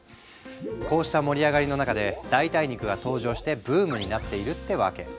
こうした盛り上がりの中で代替肉が登場してブームになっているってわけ。